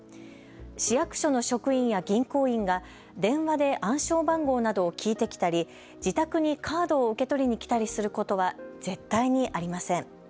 市役所の職員や銀行員が電話で暗証番号などを聞いてきたり自宅にカードを受け取りに来たりすることは絶対にありません。